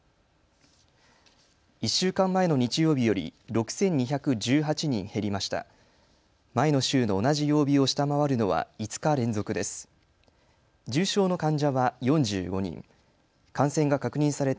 １週間前の日曜日より６２１８人減りました。